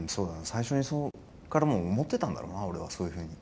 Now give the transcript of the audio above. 最初にそっからもう思ってたんだろうな俺はそういうふうに。